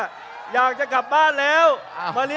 คุณจิลายุเขาบอกว่ามันควรทำงานร่วมกัน